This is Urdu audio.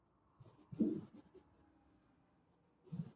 امیریکاز